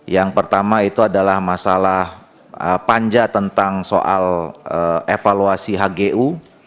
yang pertama itu adalah masalah panja tentang soal evaluasi hgu